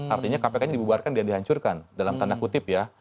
artinya kpk nya dibubarkan dan dihancurkan dalam tanda kutip ya